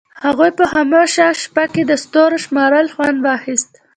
هغوی په خاموشه شپه کې د ستورو شمارلو خوند واخیست.